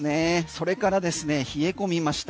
それから冷え込みました。